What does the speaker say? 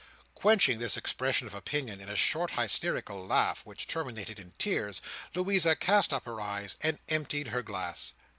Quenching this expression of opinion in a short hysterical laugh which terminated in tears, Louisa cast up her eyes, and emptied her glass.